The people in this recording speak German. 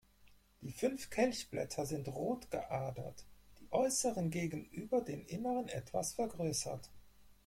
Die fünf Kelchblätter sind rot geadert, die äußeren gegenüber den inneren etwas vergrößert.